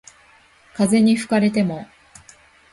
風に吹かれても